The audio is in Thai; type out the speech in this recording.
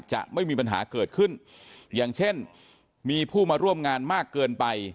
จะไม่มีปัญหาเกิดขึ้นอย่างเช่นมีผู้มาร่วมงานมากเกินไป